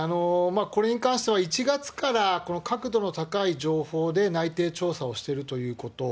これに関しては、１月から確度の高い情報で内偵調査をしてるということ。